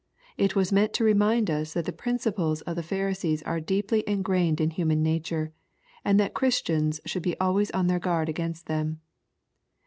It was meant to remind us that the principles of the Pharisees are deeply en grained in human nature, and that Christians should be always on their guard against them.